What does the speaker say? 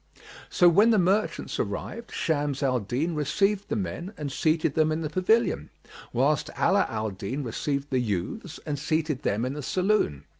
So when the merchants arrived, Shams al Din received the men and seated them in the pavilion, whilst Ala al Din received the youths and seated them in the saloon.